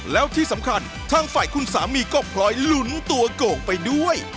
แล้วที่สำคัญทางฝ่ายคุณสามีก็พลอยหลุนตัวโก่งไปด้วย